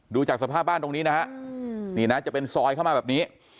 ดูจากสภาพบ้านตรงนี้นะฮะนี่นะจะเป็นซอยเข้ามาแบบนี้